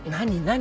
何？